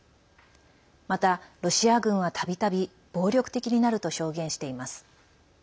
また、ロシア軍はたびたび暴力的になると証言しています。